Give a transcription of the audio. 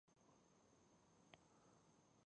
یو سل او اووه پوښتنه د کارموندنې مرسته ده.